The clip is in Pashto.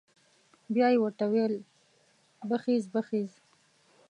بيا یې ورته وويل بخېز بخېز.